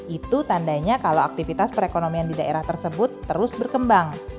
itu tandanya kalau aktivitas perekonomian di daerah tersebut terus berkembang